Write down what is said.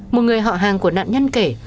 một người họ hàng của nạn nhân kể